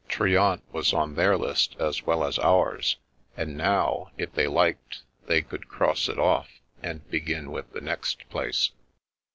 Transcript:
Trient was on their list as well as ours, and now, if they liked, they could cross it off, and begin with the next place.